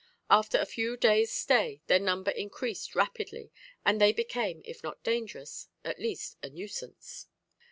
After a few days' stay their number increased rapidly, and they became, if not dangerous, at least a nuisance.